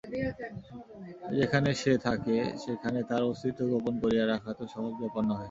যেখানে সে থাকে সেখানে তাহার অস্তিত্ব গোপন করিয়া রাখা তো সহজ ব্যাপার নহে।